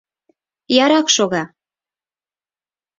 — Ярак шога!